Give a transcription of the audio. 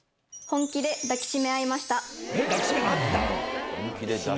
「本気で抱きしめ合った」。